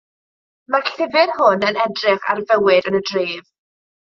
Mae'r llyfr hwn yn edrych ar fywyd yn y dref.